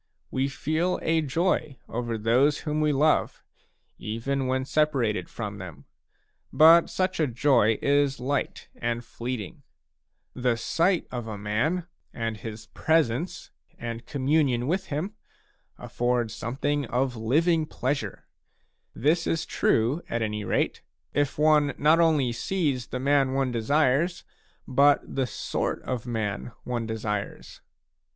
We feel a joy over i those whom we love, even when separated from them, but such a joy is light and fleeting ; the sight of a man, and his presence, and communion with him, afford something of living pleasure ; this is true, at any rate, if one not only sees the man one desires, but the sort of man one desires.